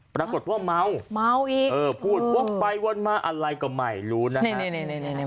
ปรากฏว่าเมามัวอีกเออพูดว่าไปว่ามาอะไรก็ไม่รู้นะฮะนี่นี่นี่นี่